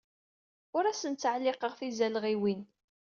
Ur asen-ttɛelliqeɣ tizalɣiwin.